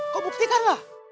kau buktikan lah